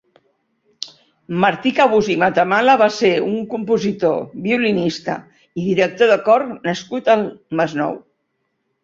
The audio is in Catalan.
Martí Cabús i Matamala va ser un compositor, violinista i director de cor nascut al Masnou.